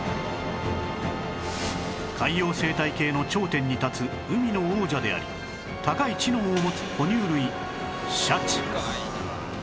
海洋生態系の頂点に立つ海の王者であり高い知能を持つ哺乳類シャチ